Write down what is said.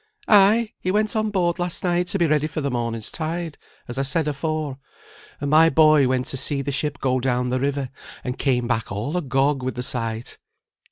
"Ay, he went on board last night to be ready for the morning's tide, as I said afore, and my boy went to see the ship go down the river, and came back all agog with the sight.